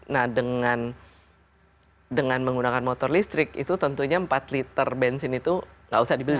nah dengan menggunakan motor listrik itu tentunya empat liter bensin itu nggak usah dibeli